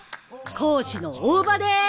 講師の大葉です。